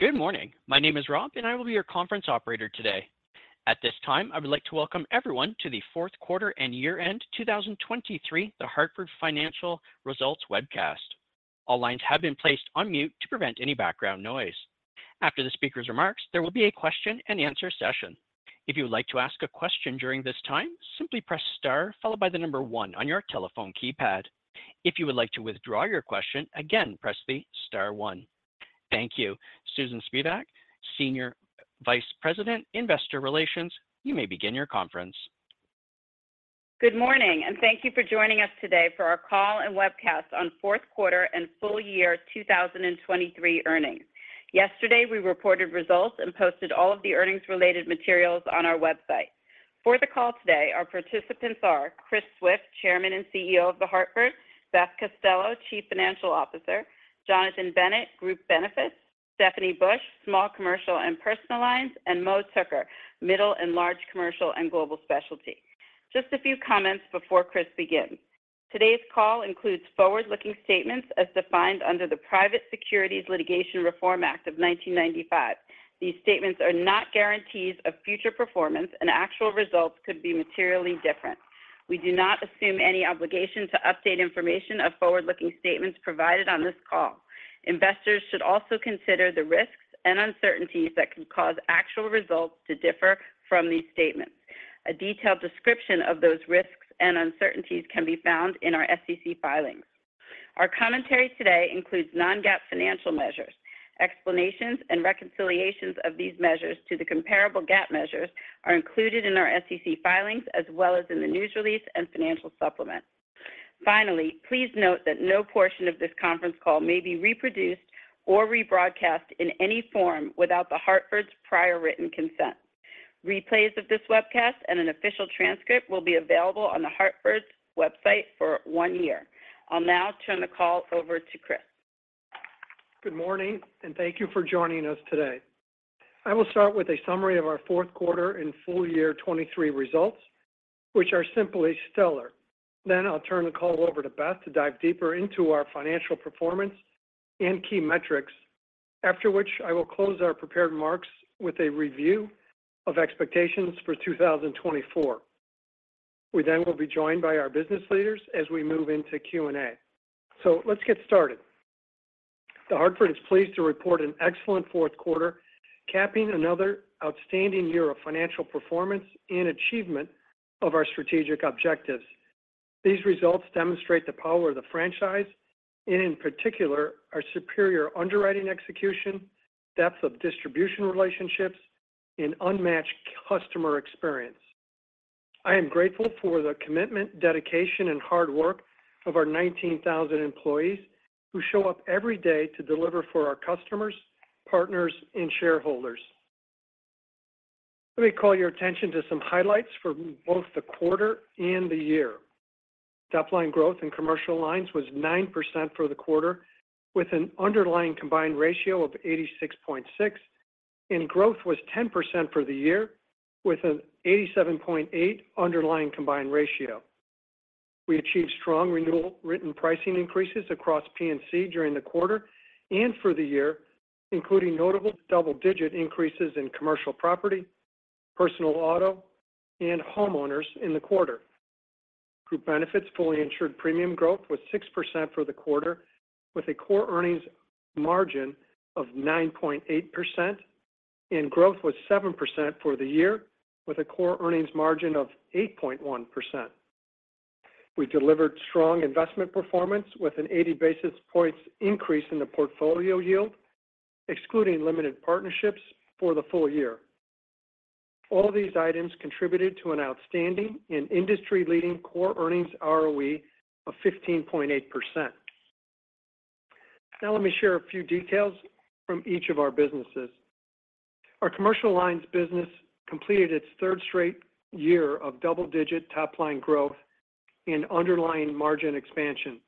Good morning. My name is Rob, and I will be your conference operator today. At this time, I would like to welcome everyone to the fourth quarter and year-end 2023 The Hartford Financial Results Webcast. All lines have been placed on mute to prevent any background noise. After the speaker's remarks, there will be a question and answer session. If you would like to ask a question during this time, simply press star followed by the number one on your telephone keypad. If you would like to withdraw your question again, press the star one. Thank you. Susan Spivak, Senior Vice President, Investor Relations, you may begin your conference. Good morning, and thank you for joining us today for our call and webcast on fourth quarter and full year 2023 earnings. Yesterday, we reported results and posted all of the earnings-related materials on our website. For the call today, our participants are Chris Swift, Chairman and CEO of The Hartford; Beth Costello, Chief Financial Officer; Jonathan Bennett, Group Benefits; Stephanie Bush, Small Commercial and Personal Lines; and Mo Tooker, Middle and Large Commercial and Global Specialty. Just a few comments before Chris begins. Today's call includes forward-looking statements as defined under the Private Securities Litigation Reform Act of 1995. These statements are not guarantees of future performance, and actual results could be materially different. We do not assume any obligation to update information of forward-looking statements provided on this call. Investors should also consider the risks and uncertainties that can cause actual results to differ from these statements. A detailed description of those risks and uncertainties can be found in our SEC filings. Our commentary today includes non-GAAP financial measures. Explanations and reconciliations of these measures to the comparable GAAP measures are included in our SEC filings, as well as in the news release and financial supplement. Finally, please note that no portion of this conference call may be reproduced or rebroadcast in any form without The Hartford's prior written consent. Replays of this webcast and an official transcript will be available on The Hartford's website for one year. I'll now turn the call over to Chris. Good morning, and thank you for joining us today. I will start with a summary of our fourth quarter and full year 2023 results, which are simply stellar. Then I'll turn the call over to Beth to dive deeper into our financial performance and key metrics. After which, I will close our prepared remarks with a review of expectations for 2024. We then will be joined by our business leaders as we move into Q&A. So let's get started. The Hartford is pleased to report an excellent fourth quarter, capping another outstanding year of financial performance and achievement of our strategic objectives. These results demonstrate the power of the franchise and, in particular, our superior underwriting execution, depth of distribution relationships, and unmatched customer experience. I am grateful for the commitment, dedication, and hard work of our 19,000 employees who show up every day to deliver for our customers, partners and shareholders. Let me call your attention to some highlights for both the quarter and the year. Top line growth in commercial lines was 9% for the quarter, with an underlying combined ratio of 86.6, and growth was 10% for the year, with an 87.8 underlying combined ratio. We achieved strong renewal written pricing increases across P&C during the quarter and for the year, including notable double-digit increases in commercial property, personal auto, and homeowners in the quarter. Group Benefits fully insured premium growth was 6% for the quarter, with a core earnings margin of 9.8%, and growth was 7% for the year, with a core earnings margin of 8.1%. We delivered strong investment performance with an 80 basis points increase in the portfolio yield, excluding limited partnerships for the full year. All these items contributed to an outstanding and industry-leading Core Earnings ROE of 15.8%. Now, let me share a few details from each of our businesses. Our commercial lines business completed its third straight year of double-digit top-line growth and underlying margin expansion.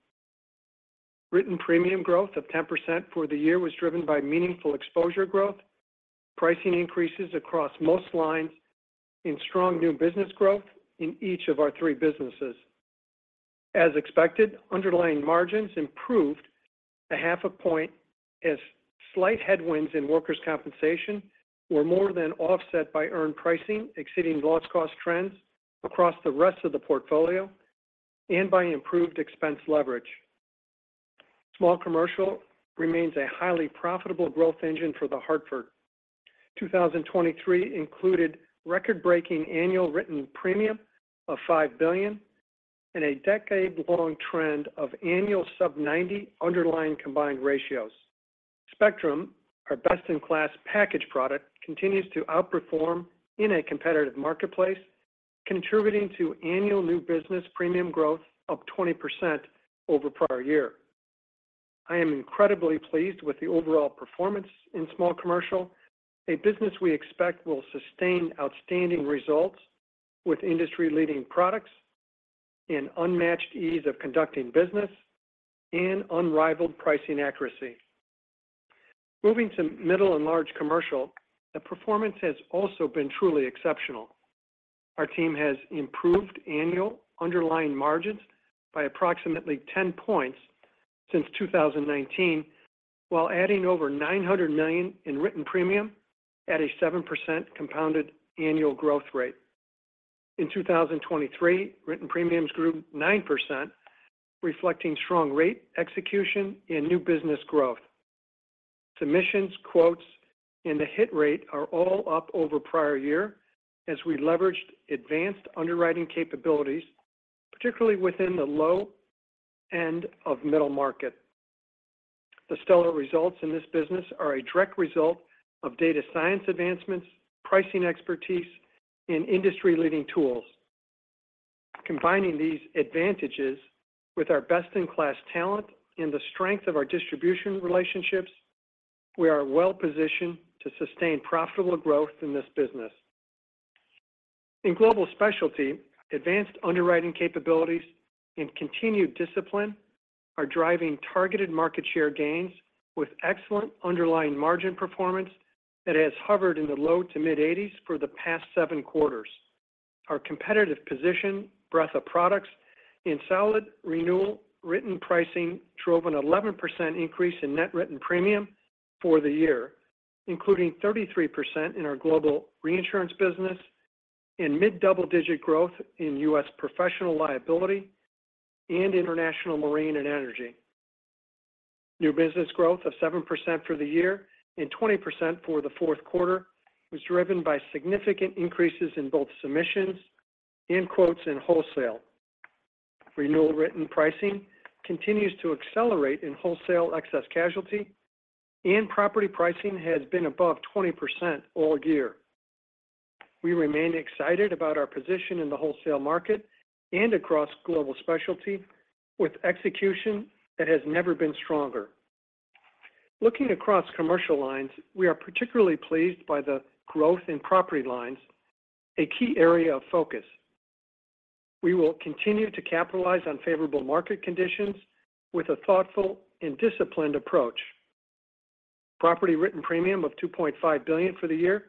Written premium growth of 10% for the year was driven by meaningful exposure growth, pricing increases across most lines, and strong new business growth in each of our three businesses. As expected, underlying margins improved 0.5 point as slight headwinds in workers' compensation were more than offset by earned pricing, exceeding loss cost trends across the rest of the portfolio and by improved expense leverage. Small commercial remains a highly profitable growth engine for The Hartford. 2023 included record-breaking annual written premium of $5 billion and a decade-long trend of annual sub 90 underlying combined ratios. Spectrum, our best-in-class package product, continues to outperform in a competitive marketplace, contributing to annual new business premium growth of 20% over prior year. I am incredibly pleased with the overall performance in small commercial, a business we expect will sustain outstanding results with industry-leading products and unmatched ease of conducting business and unrivaled pricing accuracy. Moving to middle and large commercial, the performance has also been truly exceptional. Our team has improved annual underlying margins by approximately 10 points since 2019, while adding over $900 million in written premium at a 7% compounded annual growth rate. In 2023, written premiums grew 9%, reflecting strong rate execution and new business growth. Submissions, quotes, and the hit rate are all up over prior year as we leveraged advanced underwriting capabilities, particularly within the low end of middle market. The stellar results in this business are a direct result of data science advancements, pricing expertise, and industry-leading tools. Combining these advantages with our best-in-class talent and the strength of our distribution relationships, we are well-positioned to sustain profitable growth in this business. In Global Specialty, advanced underwriting capabilities and continued discipline are driving targeted market share gains with excellent underlying margin performance that has hovered in the low to mid-80s for the past seven quarters. Our competitive position, breadth of products, and solid renewal written pricing drove an 11% increase in net written premium for the year, including 33% in our global reinsurance business and mid-double-digit growth in U.S. professional liability and international marine and energy. New business growth of 7% for the year and 20% for the fourth quarter was driven by significant increases in both submissions and quotes in wholesale. Renewal written pricing continues to accelerate in wholesale excess casualty, and property pricing has been above 20% all year. We remain excited about our position in the wholesale market and across Global Specialty, with execution that has never been stronger. Looking across commercial lines, we are particularly pleased by the growth in property lines, a key area of focus. We will continue to capitalize on favorable market conditions with a thoughtful and disciplined approach. Property written premium of $2.5 billion for the year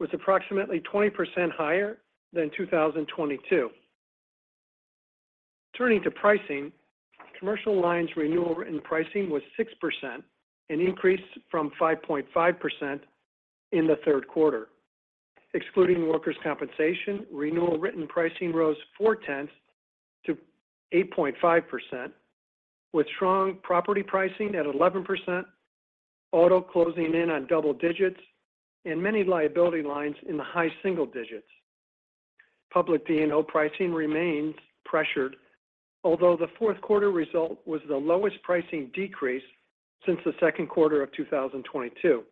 was approximately 20% higher than 2022. Turning to pricing, commercial lines renewal written pricing was 6%, an increase from 5.5% in the third quarter. Excluding workers' compensation, renewal written pricing rose 0.4%-8.5%, with strong property pricing at 11%, auto closing in on double digits, and many liability lines in the high single digits. Public P&C pricing remains pressured, although the fourth quarter result was the lowest pricing decrease since the second quarter of 2022.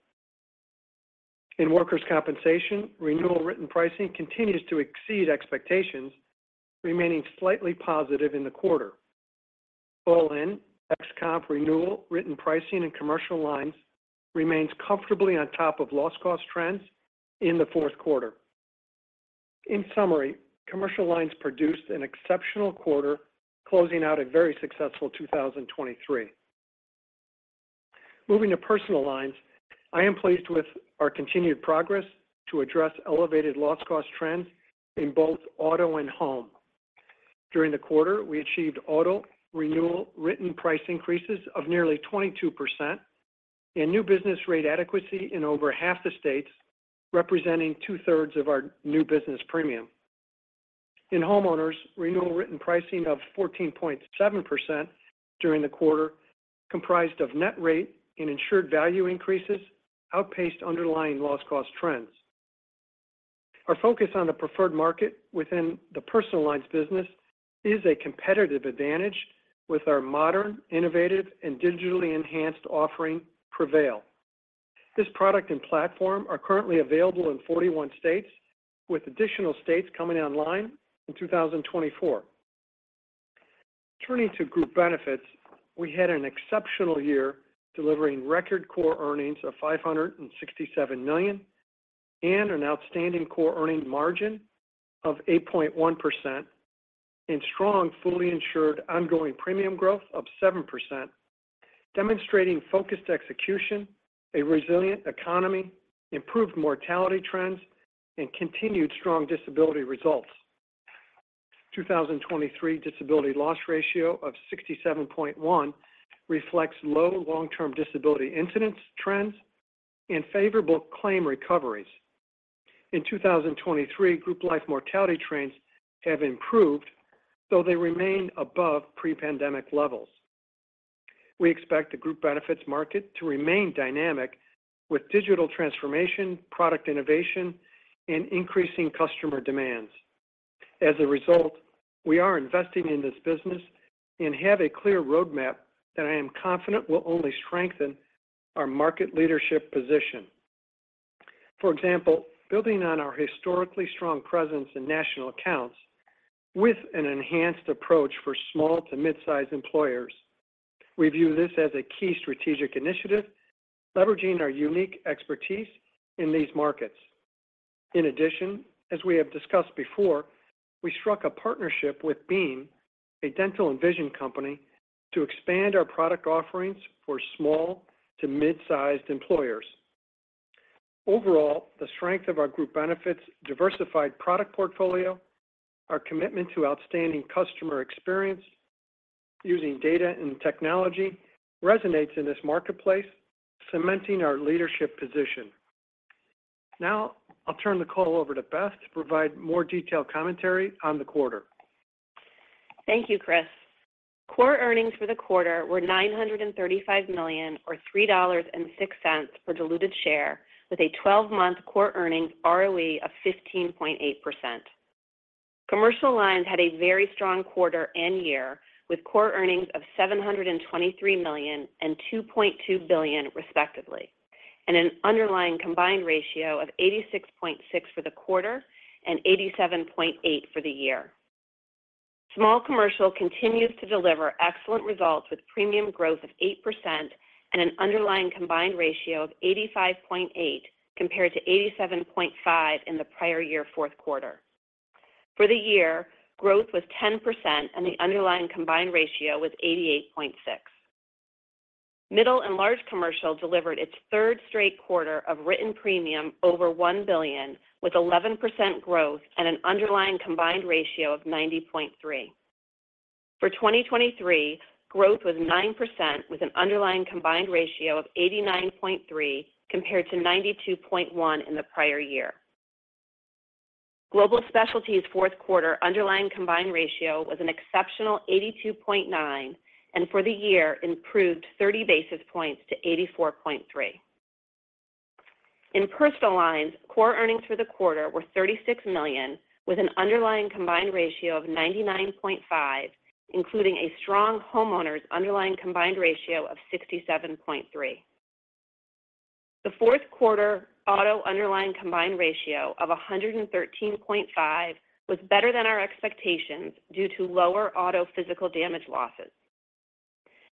In workers' compensation, renewal written pricing continues to exceed expectations, remaining slightly positive in the quarter. All in, ex-comp renewal written pricing and commercial lines remains comfortably on top of loss cost trends in the fourth quarter. In summary, commercial lines produced an exceptional quarter, closing out a very successful 2023. Moving to personal lines, I am pleased with our continued progress to address elevated loss cost trends in both auto and home. During the quarter, we achieved auto renewal written price increases of nearly 22% and new business rate adequacy in over half the states, representing two-thirds of our new business premium. In homeowners, renewal written pricing of 14.7% during the quarter, comprised of net rate and insured value increases, outpaced underlying loss cost trends. Our focus on the preferred market within the personal lines business is a competitive advantage with our modern, innovative, and digitally enhanced offering, Prevail. This product and platform are currently available in 41 states, with additional states coming online in 2024. Turning to group benefits, we had an exceptional year, delivering record core earnings of $567 million and an outstanding core earning margin of 8.1%, and strong, fully insured ongoing premium growth of 7%, demonstrating focused execution, a resilient economy, improved mortality trends, and continued strong disability results. 2023 disability loss ratio of 67.1 reflects low long-term disability incidence trends and favorable claim recoveries. In 2023, group life mortality trends have improved, though they remain above pre-pandemic levels. We expect the group benefits market to remain dynamic with digital transformation, product innovation, and increasing customer demands. As a result, we are investing in this business and have a clear roadmap that I am confident will only strengthen our market leadership position. For example, building on our historically strong presence in national accounts with an enhanced approach for small to mid-sized employers, we view this as a key strategic initiative, leveraging our unique expertise in these markets. In addition, as we have discussed before, we struck a partnership with Beam, a dental and vision company, to expand our product offerings for small to mid-sized employers.... Overall, the strength of our group benefits, diversified product portfolio, our commitment to outstanding customer experience using data and technology resonates in this marketplace, cementing our leadership position. Now, I'll turn the call over to Beth to provide more detailed commentary on the quarter. Thank you, Chris. Core earnings for the quarter were $935 million, or $3.06 per diluted share, with a 12-month core earnings ROE of 15.8%. Commercial lines had a very strong quarter and year, with core earnings of $723 million and $2.2 billion, respectively, and an underlying combined ratio of 86.6 for the quarter and 87.8 for the year. Small commercial continues to deliver excellent results, with premium growth of 8% and an underlying combined ratio of 85.8, compared to 87.5 in the prior year fourth quarter. For the year, growth was 10%, and the underlying combined ratio was 88.6. Middle and large commercial delivered its third straight quarter of written premium over $1 billion, with 11% growth and an underlying combined ratio of 90.3. For 2023, growth was 9%, with an underlying combined ratio of 89.3, compared to 92.1 in the prior year. Global Specialty's fourth quarter underlying combined ratio was an exceptional 82.9, and for the year, improved 30 basis points to 84.3. In personal lines, core earnings for the quarter were $36 million, with an underlying combined ratio of 99.5, including a strong homeowners' underlying combined ratio of 67.3. The fourth quarter auto underlying combined ratio of 113.5 was better than our expectations due to lower auto physical damage losses.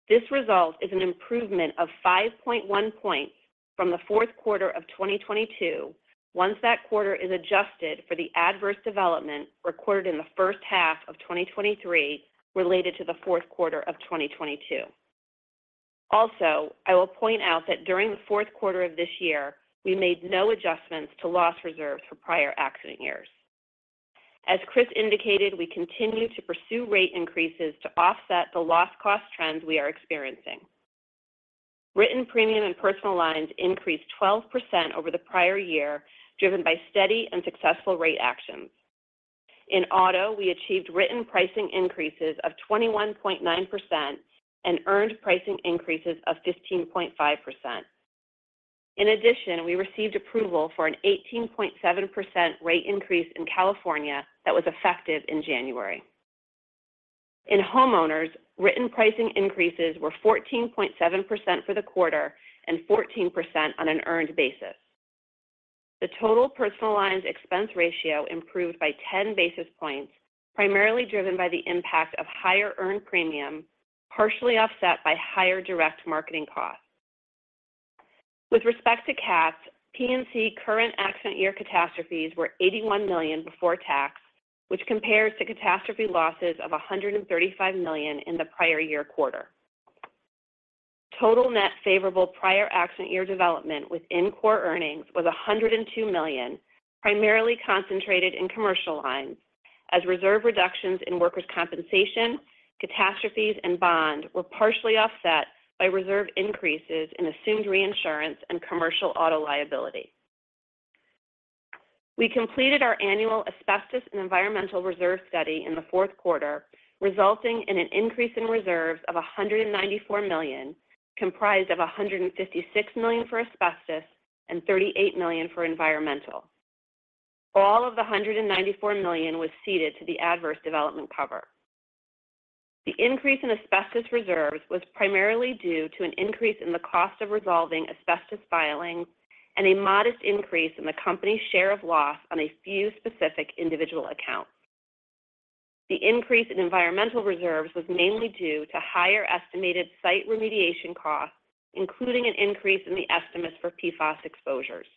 This result is an improvement of 5.1 points from the fourth quarter of 2022, once that quarter is adjusted for the adverse development recorded in the first half of 2023, related to the fourth quarter of 2022. Also, I will point out that during the fourth quarter of this year, we made no adjustments to loss reserves for prior accident years. As Chris indicated, we continue to pursue rate increases to offset the loss cost trends we are experiencing. Written premium and personal lines increased 12% over the prior year, driven by steady and successful rate actions. In auto, we achieved written pricing increases of 21.9% and earned pricing increases of 15.5%. In addition, we received approval for an 18.7% rate increase in California that was effective in January. In homeowners, written pricing increases were 14.7% for the quarter and 14% on an earned basis. The total personal lines expense ratio improved by 10 basis points, primarily driven by the impact of higher earned premium, partially offset by higher direct marketing costs. With respect to cats, P&C current accident year catastrophes were $81 million before tax, which compares to catastrophe losses of $135 million in the prior year quarter. Total net favorable prior accident year development within core earnings was $102 million, primarily concentrated in commercial lines, as reserve reductions in workers' compensation, catastrophes, and bond were partially offset by reserve increases in assumed reinsurance and commercial auto liability. We completed our annual asbestos and environmental reserve study in the fourth quarter, resulting in an increase in reserves of $194 million, comprised of $156 million for asbestos and $38 million for environmental. All of the $194 million was ceded to the adverse development cover. The increase in asbestos reserves was primarily due to an increase in the cost of resolving asbestos filings and a modest increase in the company's share of loss on a few specific individual accounts. The increase in environmental reserves was mainly due to higher estimated site remediation costs, including an increase in the estimates for PFAS exposures.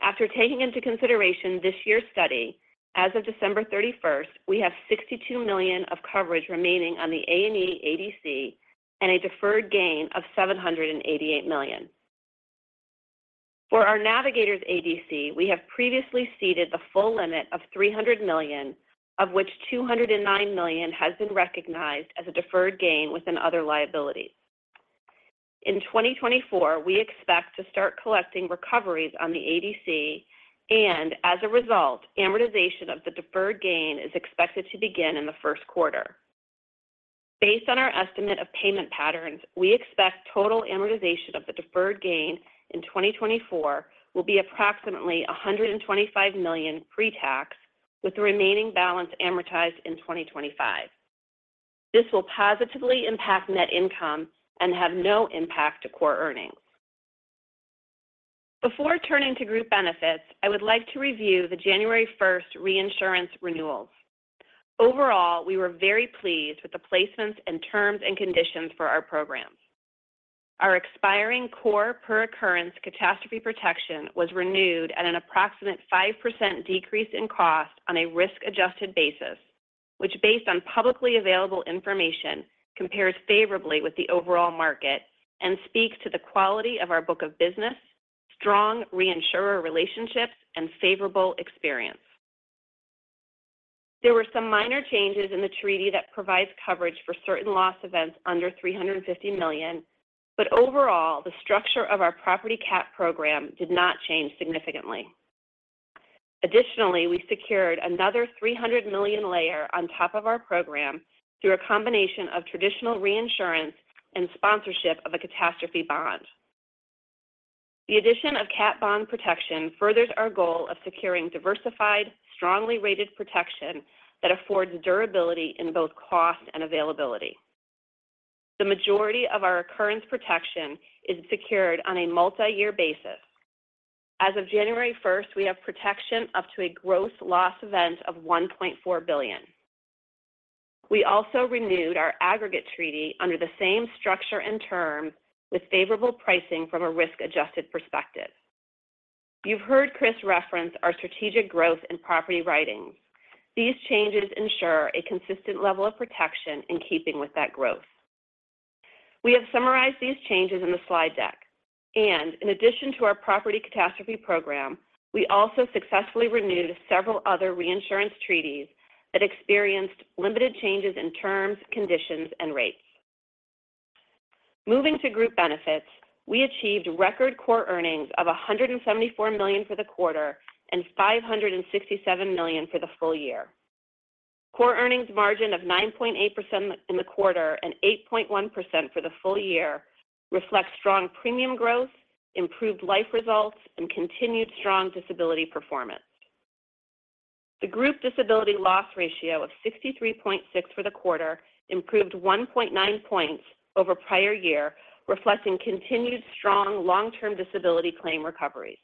After taking into consideration this year's study, as of December 31st, we have $62 million of coverage remaining on the A&E ADC and a deferred gain of $788 million. For our Navigators ADC, we have previously ceded the full limit of $300 million, of which $209 million has been recognized as a deferred gain within other liabilities. In 2024, we expect to start collecting recoveries on the ADC, and as a result, amortization of the deferred gain is expected to begin in the first quarter. Based on our estimate of payment patterns, we expect total amortization of the deferred gain in 2024 will be approximately $125 million pre-tax, with the remaining balance amortized in 2025. This will positively impact net income and have no impact to core earnings. Before turning to group benefits, I would like to review the January 1st reinsurance renewals. Overall, we were very pleased with the placements and terms and conditions for our programs. Our expiring core per occurrence catastrophe protection was renewed at an approximate 5% decrease in cost on a risk-adjusted basis, which, based on publicly available information, compares favorably with the overall market and speaks to the quality of our book of business, strong reinsurer relationships, and favorable experience. There were some minor changes in the treaty that provides coverage for certain loss events under $350 million, but overall, the structure of our property cat program did not change significantly. Additionally, we secured another $300 million layer on top of our program through a combination of traditional reinsurance and sponsorship of a catastrophe bond. The addition of cat bond protection furthers our goal of securing diversified, strongly rated protection that affords durability in both cost and availability. The majority of our occurrence protection is secured on a multi-year basis. As of January 1st, we have protection up to a gross loss event of $1.4 billion. We also renewed our aggregate treaty under the same structure and term, with favorable pricing from a risk-adjusted perspective. You've heard Chris reference our strategic growth in property writings. These changes ensure a consistent level of protection in keeping with that growth. We have summarized these changes in the slide deck, and in addition to our property catastrophe program, we also successfully renewed several other reinsurance treaties that experienced limited changes in terms, conditions, and rates. Moving to group benefits, we achieved record core earnings of $174 million for the quarter and $567 million for the full year. Core earnings margin of 9.8% in the quarter and 8.1% for the full year reflects strong premium growth, improved life results, and continued strong disability performance. The group disability loss ratio of 63.6% for the quarter improved 1.9 points over prior year, reflecting continued strong long-term disability claim recoveries.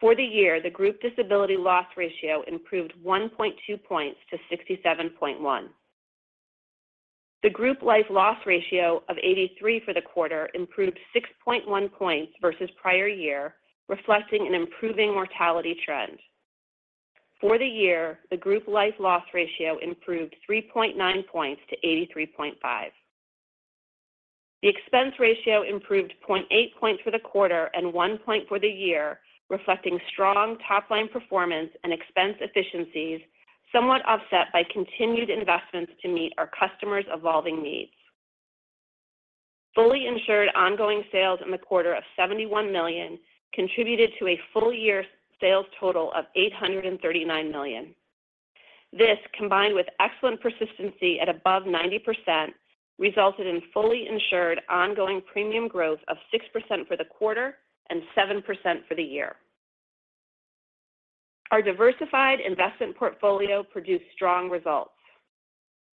For the year, the group disability loss ratio improved 1.2 points to 67.1%. The group life loss ratio of 83% for the quarter improved 6.1 points versus prior year, reflecting an improving mortality trend. For the year, the group life loss ratio improved 3.9 points to 83.5%. The expense ratio improved 0.8 points for the quarter and 1 point for the year, reflecting strong top-line performance and expense efficiencies, somewhat offset by continued investments to meet our customers' evolving needs. Fully insured ongoing sales in the quarter of $71 million contributed to a full year sales total of $839 million. This, combined with excellent persistency at above 90%, resulted in fully insured ongoing premium growth of 6% for the quarter and 7% for the year. Our diversified investment portfolio produced strong results.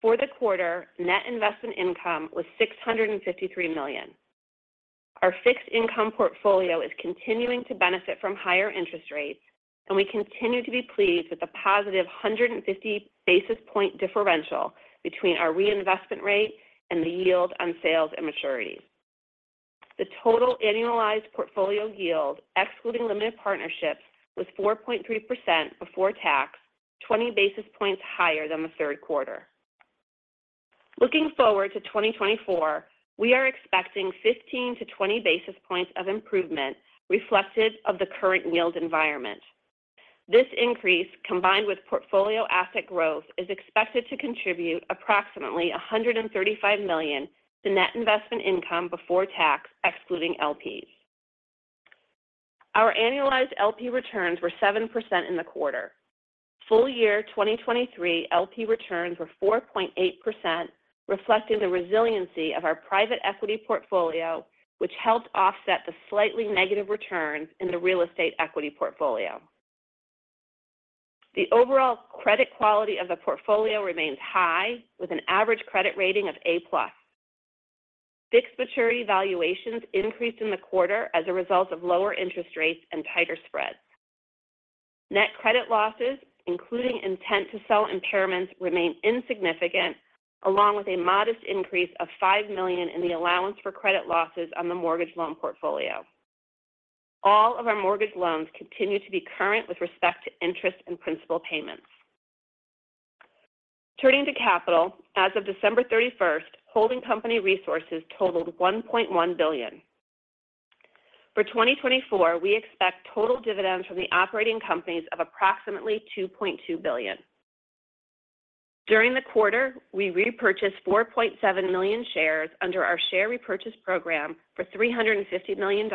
For the quarter, net investment income was $653 million. Our fixed income portfolio is continuing to benefit from higher interest rates, and we continue to be pleased with the positive 150 basis point differential between our reinvestment rate and the yield on sales and maturities. The total annualized portfolio yield, excluding limited partnerships, was 4.3% before tax, 20 basis points higher than the third quarter. Looking forward to 2024, we are expecting 15-20 basis points of improvement, reflective of the current yield environment. This increase, combined with portfolio asset growth, is expected to contribute approximately $135 million to net investment income before tax, excluding LPs. Our annualized LP returns were 7% in the quarter. Full year 2023 LP returns were 4.8%, reflecting the resiliency of our private equity portfolio, which helped offset the slightly negative returns in the real estate equity portfolio. The overall credit quality of the portfolio remains high, with an average credit rating of A+. Fixed maturity valuations increased in the quarter as a result of lower interest rates and tighter spreads. Net credit losses, including intent to sell impairments, remain insignificant, along with a modest increase of $5 million in the allowance for credit losses on the mortgage loan portfolio. All of our mortgage loans continue to be current with respect to interest and principal payments. Turning to capital, as of December 31st, holding company resources totaled $1.1 billion. For 2024, we expect total dividends from the operating companies of approximately $2.2 billion. During the quarter, we repurchased 4.7 million shares under our share repurchase program for $350 million,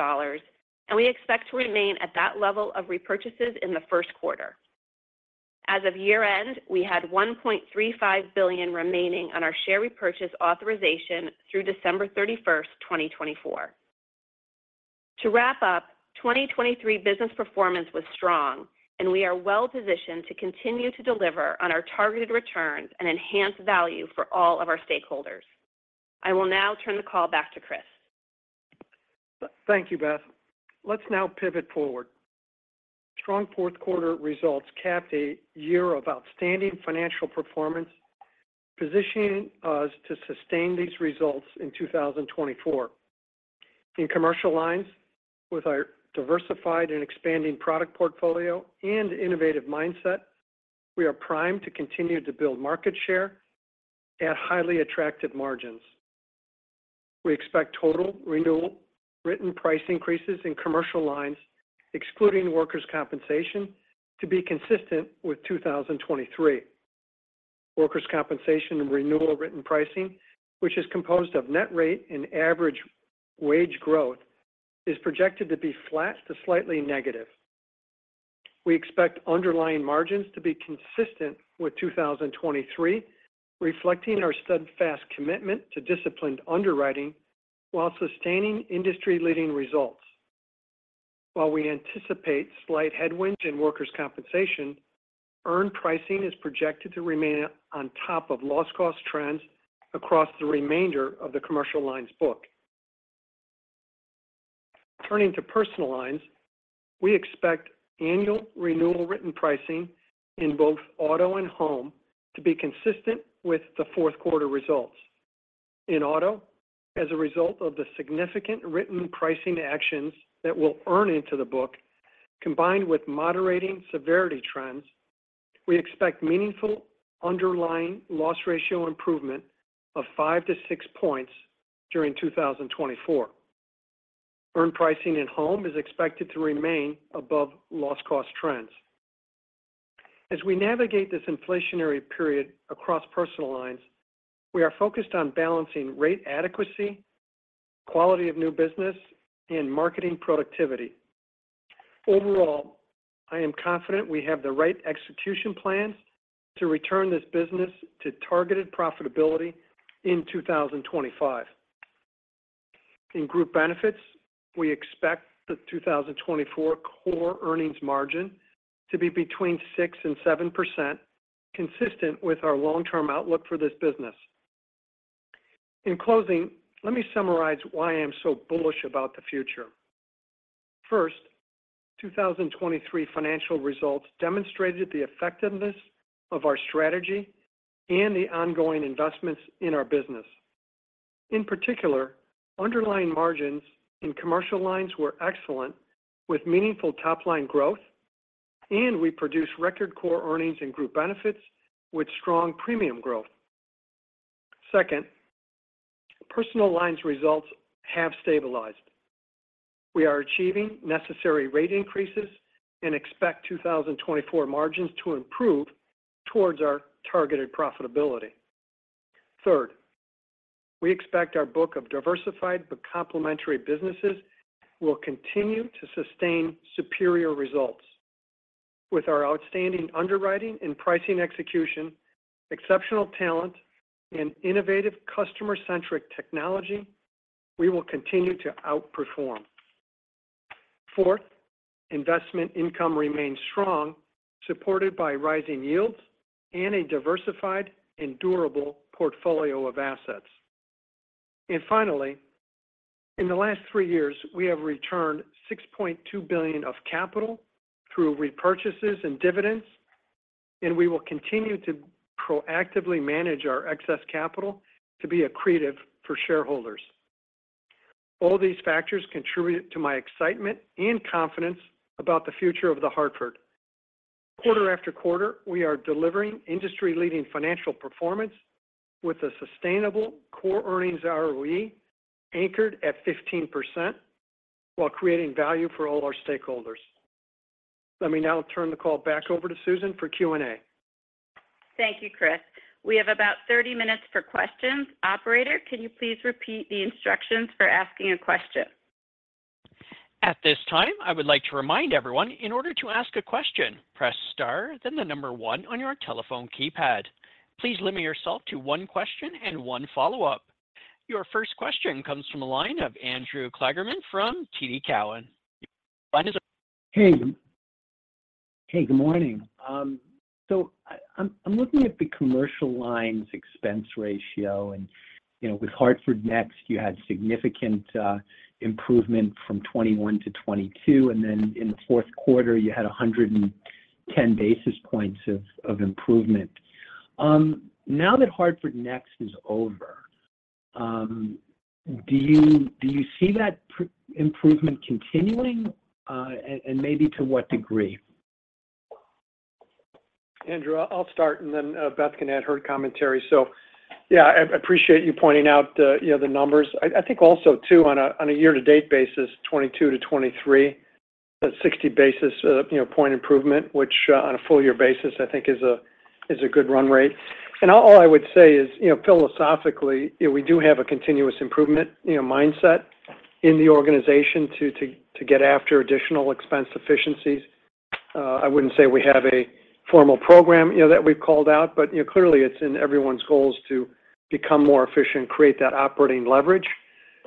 and we expect to remain at that level of repurchases in the first quarter. As of year-end, we had $1.35 billion remaining on our share repurchase authorization through December 31st, 2024. To wrap up, 2023 business performance was strong, and we are well positioned to continue to deliver on our targeted returns and enhance value for all of our stakeholders. I will now turn the call back to Chris. Thank you, Beth. Let's now pivot forward. Strong fourth quarter results capped a year of outstanding financial performance, positioning us to sustain these results in 2024. In Commercial Lines, with our diversified and expanding product portfolio and innovative mindset, we are primed to continue to build market share at highly attractive margins. We expect total renewal written price increases in Commercial Lines, excluding workers' compensation, to be consistent with 2023. Workers' compensation and renewal written pricing, which is composed of net rate and average wage growth, is projected to be flat to slightly negative. We expect underlying margins to be consistent with 2023, reflecting our steadfast commitment to disciplined underwriting while sustaining industry-leading results. While we anticipate slight headwinds in workers' compensation, earned pricing is projected to remain on top of loss cost trends across the remainder of the Commercial Lines book. Turning to Personal Lines, we expect annual renewal written pricing in both auto and home to be consistent with the fourth quarter results. In auto, as a result of the significant written pricing actions that will earn into the book, combined with moderating severity trends, we expect meaningful underlying loss ratio improvement of 5-6 points during 2024. Earned pricing in home is expected to remain above loss cost trends. As we navigate this inflationary period across Personal Lines, we are focused on balancing rate adequacy, quality of new business, and marketing productivity. Overall, I am confident we have the right execution plan to return this business to targeted profitability in 2025. In Group Benefits, we expect the 2024 core earnings margin to be between 6% and 7%, consistent with our long-term outlook for this business. In closing, let me summarize why I'm so bullish about the future. First, 2023 financial results demonstrated the effectiveness of our strategy and the ongoing investments in our business. In particular, underlying margins in Commercial Lines were excellent, with meaningful top-line growth, and we produced record core earnings in Group Benefits with strong premium growth. Second, Personal Lines results have stabilized. We are achieving necessary rate increases and expect 2024 margins to improve towards our targeted profitability. Third, we expect our book of diversified but complementary businesses will continue to sustain superior results. With our outstanding underwriting and pricing execution, exceptional talent, and innovative customer-centric technology, we will continue to outperform. Fourth, investment income remains strong, supported by rising yields and a diversified and durable portfolio of assets. Finally, in the last three years, we have returned $6.2 billion of capital through repurchases and dividends, and we will continue to proactively manage our excess capital to be accretive for shareholders. All these factors contribute to my excitement and confidence about the future of The Hartford. Quarter after quarter, we are delivering industry-leading financial performance with a sustainable Core Earnings ROE anchored at 15%, while creating value for all our stakeholders. Let me now turn the call back over to Susan for Q&A. Thank you, Chris. We have about 30 minutes for questions. Operator, can you please repeat the instructions for asking a question? At this time, I would like to remind everyone, in order to ask a question, press star, then the number one on your telephone keypad. Please limit yourself to one question and one follow-up. Your first question comes from the line of Andrew Kligerman from TD Cowen. Your line is open. Hey, hey, good morning. So I'm looking at the Commercial Lines expense ratio, and, you know, with HartfordNEXT, you had significant improvement from 2021 to 2022, and then in the fourth quarter, you had 110 basis points of improvement. Now that HartfordNEXT is over, do you see that improvement continuing? And maybe to what degree? Andrew, I'll start, and then Beth can add her commentary. So, yeah, I appreciate you pointing out the, you know, the numbers. I think also too, on a year-to-date basis, 2022-2023, a 60 basis point improvement, which, on a full year basis, I think is a good run rate. All I would say is, you know, philosophically, you know, we do have a continuous improvement, you know, mindset in the organization to get after additional expense efficiencies. I wouldn't say we have a formal program, you know, that we've called out, but, you know, clearly it's in everyone's goals to become more efficient, create that operating leverage,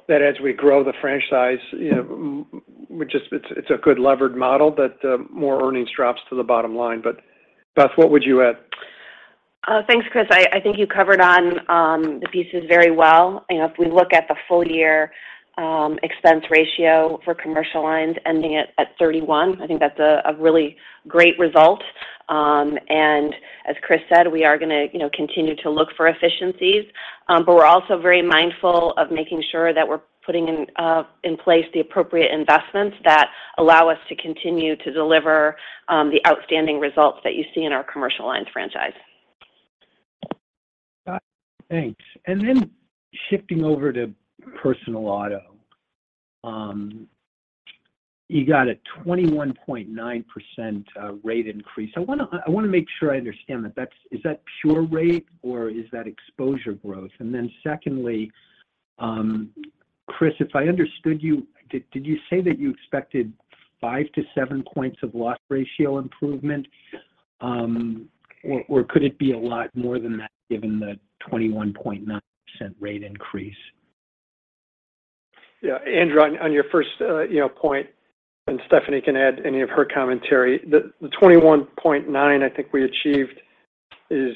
that as we grow the franchise, you know, which is it's a good levered model, that more earnings drops to the bottom line. But, Beth, what would you add? Thanks, Chris. I think you covered on the pieces very well. You know, if we look at the full year, expense ratio for Commercial Lines ending at 31, I think that's a really great result. And as Chris said, we are going to, you know, continue to look for efficiencies. But we're also very mindful of making sure that we're putting in place the appropriate investments that allow us to continue to deliver the outstanding results that you see in our Commercial Lines franchise. Thanks. And then shifting over to personal auto, you got a 21.9% rate increase. I want to, I want to make sure I understand that. That's—is that pure rate or is that exposure growth? And then secondly, Chris, if I understood you, did, did you say that you expected 5-7 points of loss ratio improvement? Or, or could it be a lot more than that, given the 21.9% rate increase? Yeah, Andrew, on your first, you know, point, and Stephanie can add any of her commentary. The 21.9 I think we achieved is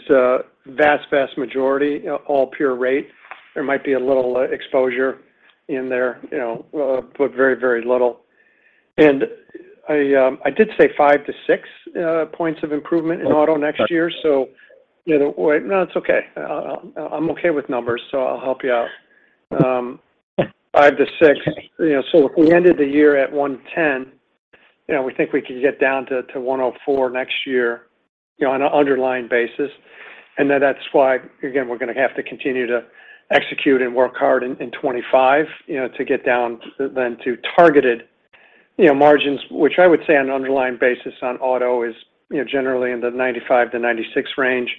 vast majority all pure rate. There might be a little exposure in there, you know, but very, very little. And I did say 5-6 points of improvement in auto next year. Okay. So, you know. No, it's okay. I'm okay with numbers, so I'll help you out. 5-6. Okay. You know, so if we ended the year at 110, you know, we think we can get down to, to 104 next year, you know, on an underlying basis. And then that's why, again, we're going to have to continue to execute and work hard in, in 2025, you know, to get down then to targeted, you know, margins, which I would say on an underlying basis on auto is, you know, generally in the 95-96 range.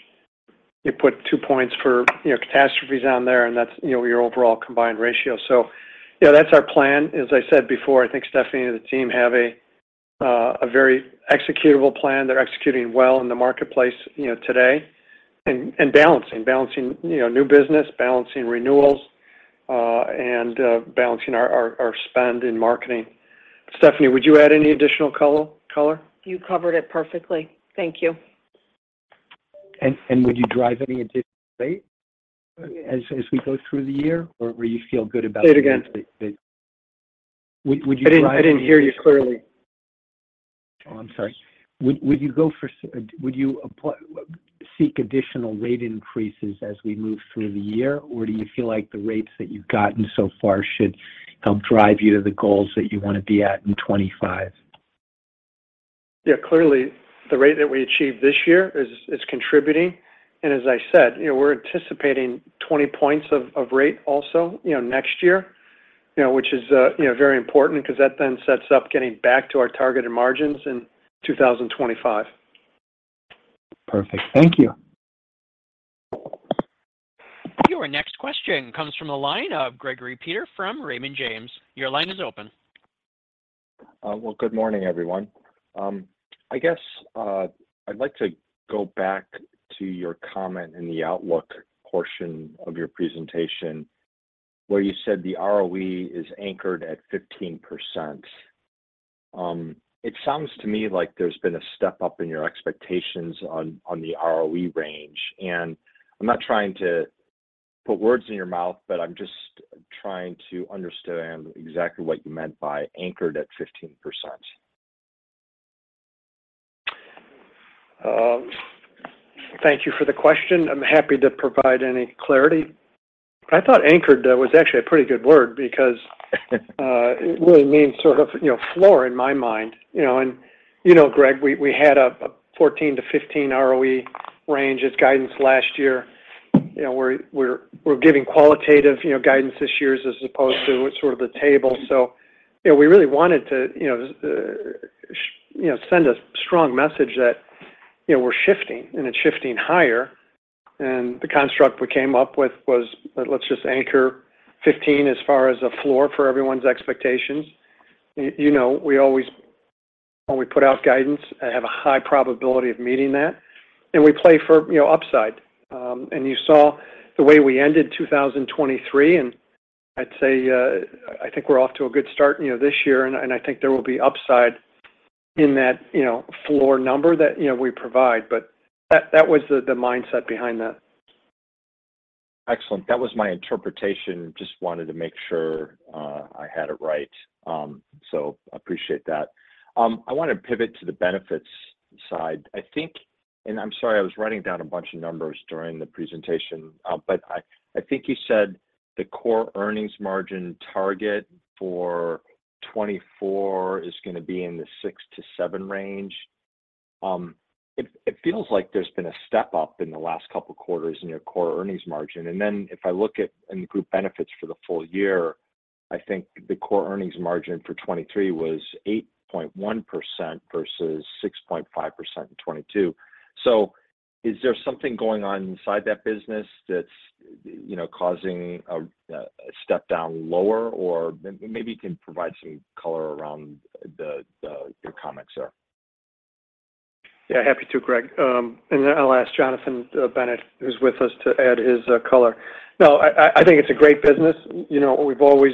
You put 2 points for, you know, catastrophes on there, and that's, you know, your overall combined ratio. So, you know, that's our plan. As I said before, I think Stephanie and the team have a, a very executable plan. They're executing well in the marketplace, you know, today, and, and balancing. Balancing, you know, new business, balancing renewals, and balancing our spend in marketing. Stephanie, would you add any additional color? You covered it perfectly. Thank you. Would you drive any additional rate as we go through the year, or you feel good about- Say it again. Would you drive- I didn't hear you clearly. Oh, I'm sorry. Would you seek additional rate increases as we move through the year? Or do you feel like the rates that you've gotten so far should help drive you to the goals that you want to be at in 2025? Yeah, clearly, the rate that we achieved this year is contributing, and as I said, you know, we're anticipating 20 points of rate also, you know, next year. You know, which is very important because that then sets up getting back to our targeted margins in 2025. Perfect. Thank you. Your next question comes from the line of Gregory Peters from Raymond James. Your line is open. Well, good morning, everyone. I guess, I'd like to go back to your comment in the outlook portion of your presentation, where you said the ROE is anchored at 15%. It sounds to me like there's been a step up in your expectations on the ROE range, and I'm not trying to put words in your mouth, but I'm just trying to understand exactly what you meant by anchored at 15%. Thank you for the question. I'm happy to provide any clarity. I thought anchored was actually a pretty good word because it really means sort of, you know, floor in my mind, you know? And, you know, Greg, we had a 14-15 ROE range as guidance last year. You know, we're giving qualitative, you know, guidance this year as opposed to sort of the table. So, you know, we really wanted to send a strong message that, you know, we're shifting, and it's shifting higher. And the construct we came up with was, let's just anchor 15 as far as a floor for everyone's expectations. You know, we always, when we put out guidance, have a high probability of meeting that, and we play for, you know, upside. And you saw the way we ended 2023, and I'd say I think we're off to a good start, you know, this year. And I think there will be upside in that, you know, floor number that, you know, we provide, but that was the mindset behind that. Excellent. That was my interpretation. Just wanted to make sure, I had it right. So appreciate that. I want to pivot to the benefits side. I think, and I'm sorry, I was writing down a bunch of numbers during the presentation, but I think you said the core earnings margin target for 2024 is going to be in the 6%-7% range. It feels like there's been a step up in the last couple of quarters in your core earnings margin. And then if I look at in the group benefits for the full year, I think the core earnings margin for 2023 was 8.1% versus 6.5% in 2022. Is there something going on inside that business that's, you know, causing a step down lower, or maybe you can provide some color around your comments there? Yeah, happy to, Greg. And then I'll ask Jonathan Bennett, who's with us, to add his color. I think it's a great business. You know, we've always,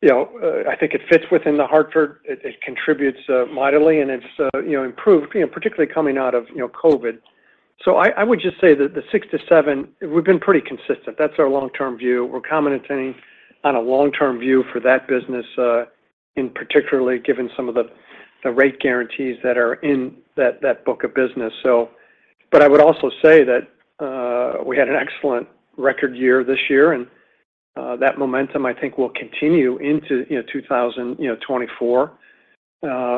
you know, I think it fits within The Hartford. It contributes mightily, and it's, you know, improved, you know, particularly coming out of, you know, COVID. So I would just say that the 6%-7%, we've been pretty consistent. That's our long-term view. We're commenting on a long-term view for that business, in particularly given some of the rate guarantees that are in that book of business. So but I would also say that we had an excellent record year this year, and that momentum, I think, will continue into 2024.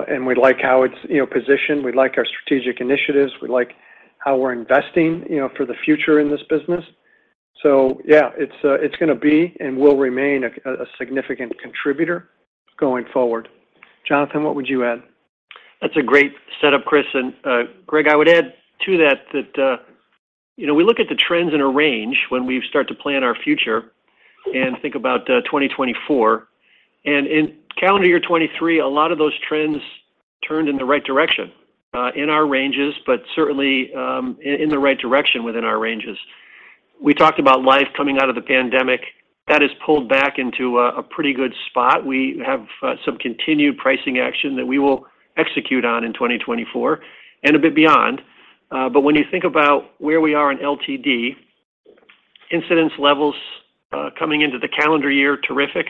And we like how it's, you know, positioned, we like our strategic initiatives, we like how we're investing, you know, for the future in this business. So yeah, it's going to be and will remain a significant contributor going forward. Jonathan, what would you add? That's a great setup, Chris. And, Greg, I would add to that, that, you know, we look at the trends in a range when we start to plan our future and think about 2024. And in calendar year 2023, a lot of those trends turned in the right direction, in our ranges, but certainly, in the right direction within our ranges. We talked about life coming out of the pandemic. That has pulled back into a pretty good spot. We have some continued pricing action that we will execute on in 2024 and a bit beyond. But when you think about where we are in LTD, incidence levels, coming into the calendar year, terrific.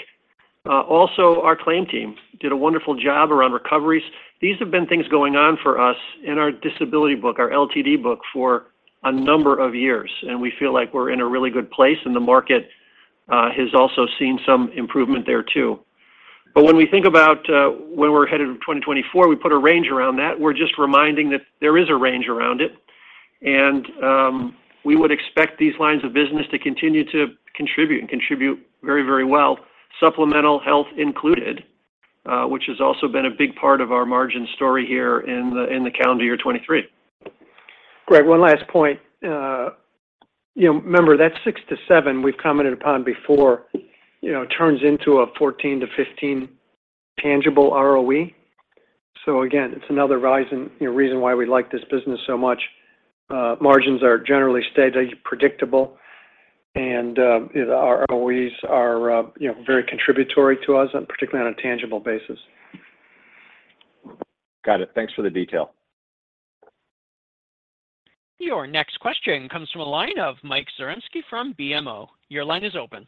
Also, our claim team did a wonderful job around recoveries. These have been things going on for us in our disability book, our LTD book, for a number of years, and we feel like we're in a really good place, and the market has also seen some improvement there too. But when we think about where we're headed in 2024, we put a range around that. We're just reminding that there is a range around it, and we would expect these lines of business to continue to contribute, and contribute very, very well. Supplemental health included, which has also been a big part of our margin story here in the calendar year 2023. Greg, one last point. You know, remember, that 6%-7% we've commented upon before, you know, turns into a 14%-15% tangible ROE. So again, it's another rising, you know, reason why we like this business so much. Margins are generally steady, predictable, and our ROEs are, you know, very contributory to us, and particularly on a tangible basis. Got it. Thanks for the detail. Your next question comes from a line of Mike Zaremski from BMO. Your line is open.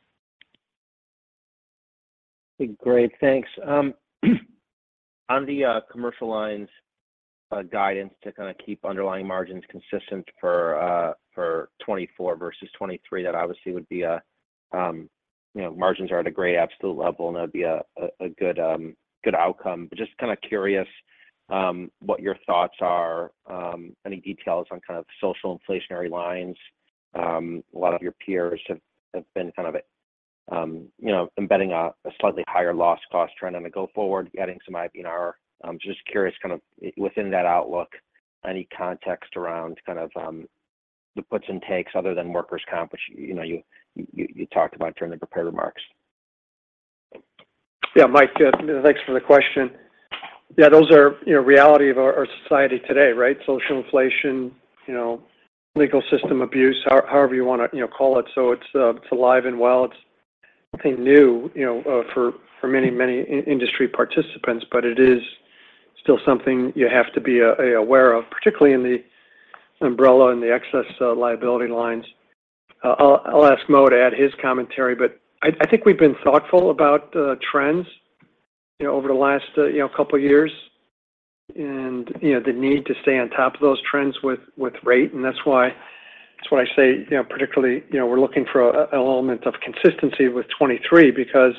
Hey, great. Thanks. On the commercial lines guidance to kind of keep underlying margins consistent for 2024 versus 2023, that obviously would be a you know, margins are at a great absolute level, and that would be a good outcome. But just kind of curious what your thoughts are, any details on kind of social inflationary lines? A lot of your peers have been kind of you know, embedding a slightly higher loss cost trend on a go forward, getting some IBNR. I'm just curious, kind of within that outlook, any context around kind of the puts and takes other than workers' comp, which you know, you talked about during the prepared remarks? Yeah, Mike, thanks for the question. Yeah, those are, you know, reality of our society today, right? Social inflation, you know, legal system abuse, however you want to, you know, call it. So it's, it's alive and well. It's nothing new, you know, for many industry participants, but it is still something you have to be aware of, particularly in the umbrella and the excess liability lines. I'll ask Mo to add his commentary, but I think we've been thoughtful about the trends, you know, over the last couple of years and, you know, the need to stay on top of those trends with rate. That's why-- that's why I say, you know, particularly, you know, we're looking for an element of consistency with 2023, because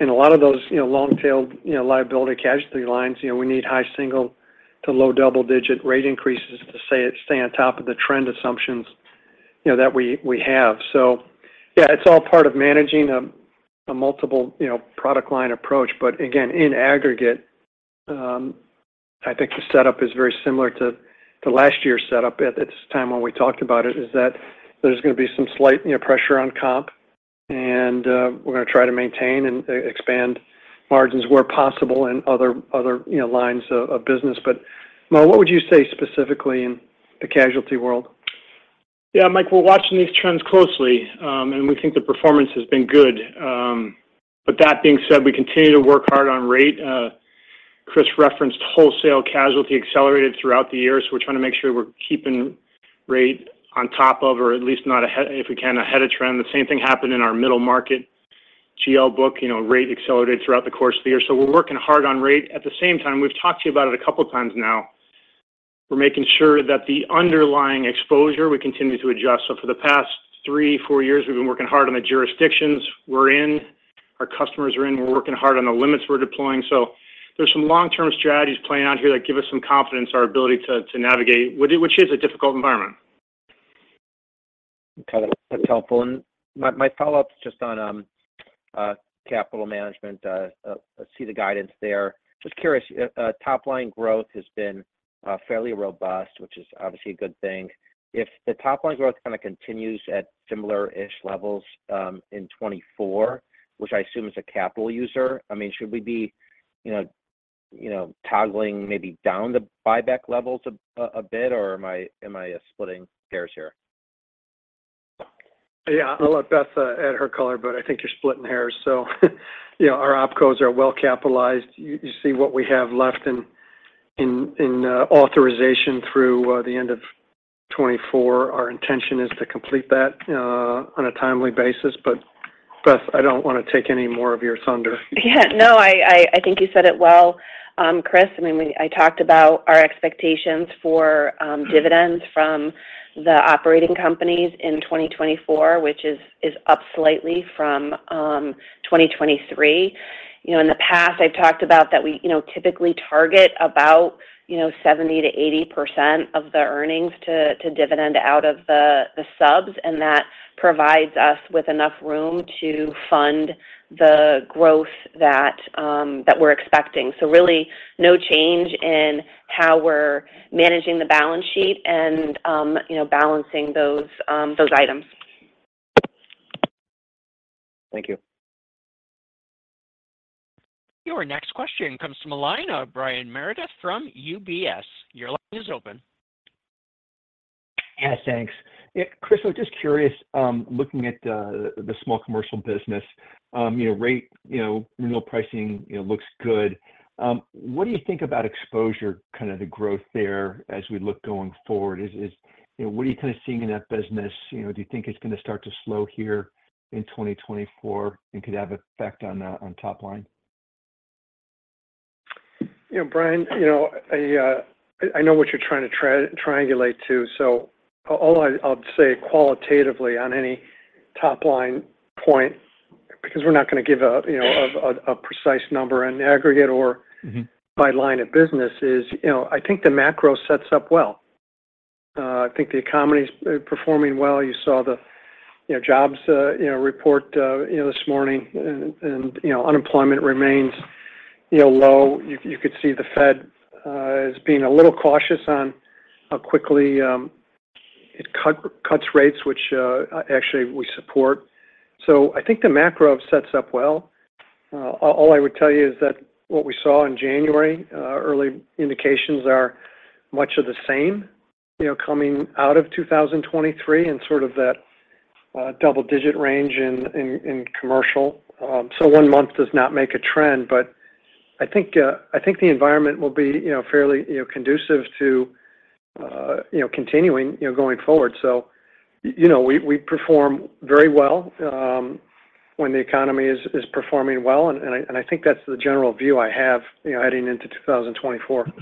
in a lot of those, you know, long-tailed, you know, liability casualty lines, you know, we need high single- to low double-digit rate increases to stay on top of the trend assumptions, you know, that we have. So yeah, it's all part of managing a multiple, you know, product line approach. But again, in aggregate, I think the setup is very similar to last year's setup at this time when we talked about it, is that there's going to be some slight, you know, pressure on comp, and we're going to try to maintain and expand margins where possible in other lines of business. But Mo, what would you say specifically in the casualty world? Yeah, Mike, we're watching these trends closely, and we think the performance has been good. But that being said, we continue to work hard on rate. Chris referenced wholesale casualty accelerated throughout the year, so we're trying to make sure we're keeping rate on top of, or at least not ahead of trend, if we can. The same thing happened in our middle market GL book, you know, rate accelerated throughout the course of the year. So we're working hard on rate. At the same time, we've talked to you about it a couple of times now. We're making sure that the underlying exposure, we continue to adjust. So for the past three, four years, we've been working hard on the jurisdictions we're in, our customers are in. We're working hard on the limits we're deploying. So there's some long-term strategies playing out here that give us some confidence in our ability to navigate, which is a difficult environment. Got it. That's helpful. And my follow-up is just on capital management. I see the guidance there. Just curious, top-line growth has been fairly robust, which is obviously a good thing. If the top-line growth kind of continues at similar-ish levels in 2024, which I assume is a capital user, I mean, should we be, you know, you know, toggling maybe down the buyback levels a bit, or am I splitting hairs here? ... Yeah, I'll let Beth add her color, but I think you're splitting hairs. So you know, our OpCos are well capitalized. You see what we have left in authorization through the end of 2024. Our intention is to complete that on a timely basis, but Beth, I don't want to take any more of your thunder. Yeah, no, I think you said it well, Chris. I mean, I talked about our expectations for dividends from the operating companies in 2024, which is up slightly from 2023. You know, in the past, I've talked about that we typically target about 70%-80% of the earnings to dividend out of the subs, and that provides us with enough room to fund the growth that we're expecting. So really, no change in how we're managing the balance sheet and, you know, balancing those items. Thank you. Your next question comes from the line of Brian Meredith from UBS. Your line is open. Yeah, thanks. Yeah, Chris, I was just curious, looking at the small commercial business, you know, rate, you know, renewal pricing, you know, looks good. What do you think about exposure, kind of the growth there as we look going forward? Is, you know, what are you kind of seeing in that business? You know, do you think it's going to start to slow here in 2024 and could have an effect on top line? You know, Brian, you know, I know what you're trying to triangulate to. So all I'll say qualitatively on any top-line point, because we're not going to give a, you know, precise number in aggregate or- Mm-hmm... by line of business, is, you know, I think the macro sets up well. I think the economy is performing well. You saw the, you know, jobs, you know, report, you know, this morning, and, you know, unemployment remains, you know, low. You could see the Fed as being a little cautious on how quickly it cuts rates, which, actually, we support. So I think the macro sets up well. All I would tell you is that what we saw in January, early indications are much of the same, you know, coming out of 2023 and sort of that double-digit range in commercial. So one month does not make a trend, but I think, I think the environment will be, you know, fairly, you know, conducive to, you know, continuing, you know, going forward. So, you know, we, we perform very well, when the economy is, is performing well, and, and I, and I think that's the general view I have, you know, heading into 2024.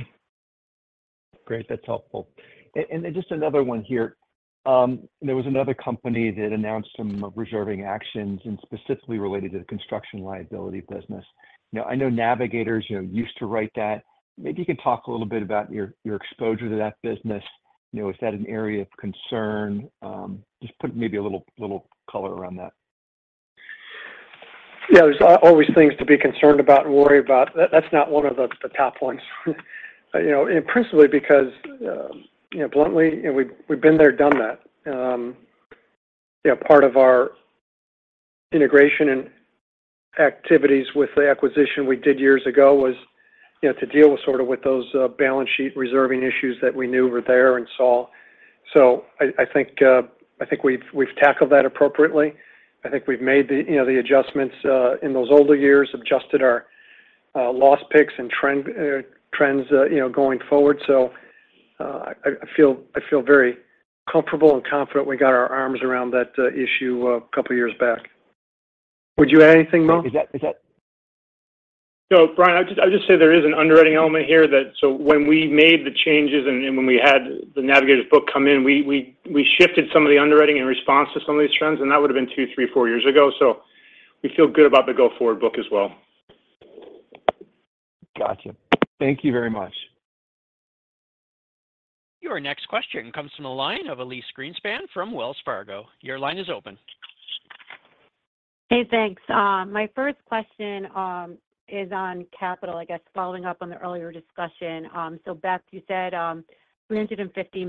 Great. That's helpful. And just another one here. There was another company that announced some reserving actions and specifically related to the construction liability business. Now, I know Navigators, you know, used to write that. Maybe you can talk a little bit about your exposure to that business. You know, is that an area of concern? Just put maybe a little color around that. Yeah, there's always things to be concerned about and worry about. That's not one of the top ones. You know, and principally because, you know, bluntly, you know, we've been there, done that. Yeah, part of our integration and activities with the acquisition we did years ago was, you know, to deal with those balance sheet reserving issues that we knew were there and saw. So I think we've tackled that appropriately. I think we've made the adjustments in those older years, adjusted our loss picks and trends going forward. So I feel very comfortable and confident we got our arms around that issue a couple of years back. Would you add anything, Mo? So Brian, I'd just say there is an underwriting element here that so when we made the changes and when we had the Navigators' book come in, we shifted some of the underwriting in response to some of these trends, and that would have been two, three, four years ago. So we feel good about the go-forward book as well. Gotcha. Thank you very much. Your next question comes from the line of Elyse Greenspan from Wells Fargo. Your line is open. Hey, thanks. My first question is on capital, I guess, following up on the earlier discussion. So Beth, you said $350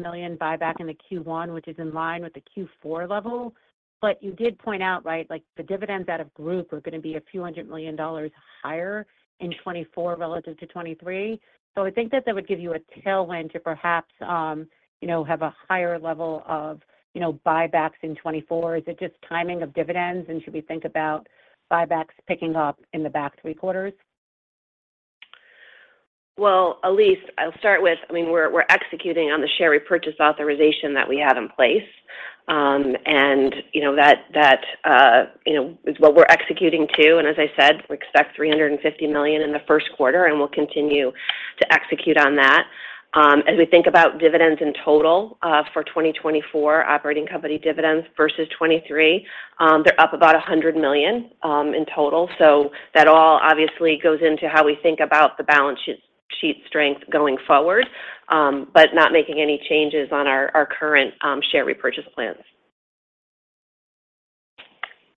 million buyback in the Q1, which is in line with the Q4 level. But you did point out, right, like, the dividends out of group are going to be a few hundred million dollars higher in 2024 relative to 2023. So I think that that would give you a tailwind to perhaps you know, have a higher level of, you know, buybacks in 2024. Is it just timing of dividends, and should we think about buybacks picking up in the back three quarters? Well, Elyse, I'll start with, I mean, we're executing on the share repurchase authorization that we have in place. And you know, that you know is what we're executing to. And as I said, we expect $350 million in the first quarter, and we'll continue to execute on that. As we think about dividends in total, for 2024, operating company dividends versus 2023, they're up about $100 million, in total. So that all obviously goes into how we think about the balance sheet strength going forward, but not making any changes on our current share repurchase plans.